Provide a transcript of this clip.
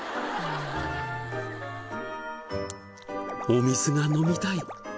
お水が飲みたい。